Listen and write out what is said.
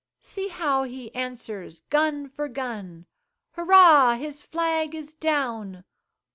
See how he answers gun for gun Hurrah! his flag is down!